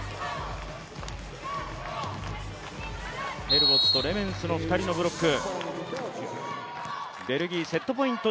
ヘルボッツとレメンスの２人のブロック。